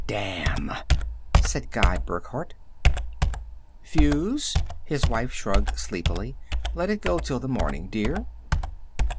"Damn!" said Guy Burckhardt. "Fuse?" His wife shrugged sleepily. "Let it go till the morning, dear."